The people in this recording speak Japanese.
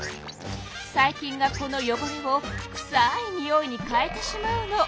細菌がこのよごれをくさいにおいに変えてしまうの。